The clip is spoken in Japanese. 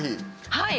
はい。